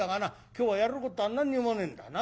今日はやることは何にもねえんだ。なあ。